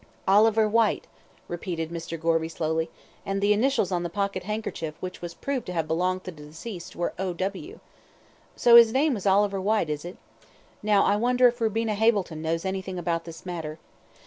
"Oliver Whyte," repeated Mr. Gorby slowly, "and the initials on the pocket handkerchief which was proved to have belonged to the deceased were 'O.W.' So his name is Oliver Whyte, is it? Now, I wonder if Rubina Hableton knows anything about this matter.